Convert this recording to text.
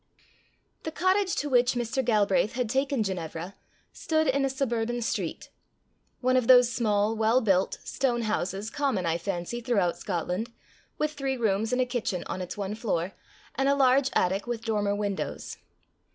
The cottage to which Mr. Galbraith had taken Ginevra, stood in a suburban street one of those small, well built stone houses common, I fancy, throughout Scotland, with three rooms and a kitchen on its one floor, and a large attic with dormer windows.